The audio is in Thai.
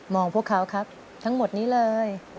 พวกเขาครับทั้งหมดนี้เลย